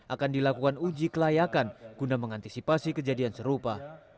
akan dilakukan uji kelayakan guna mengantisipasi kejadian serupa